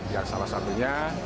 yang salah satunya